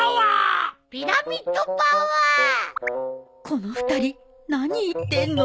この２人何言ってんの？